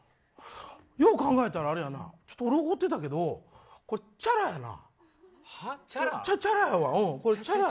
よう考えたらあれやな俺怒ってたけどこれ、ちゃらやな。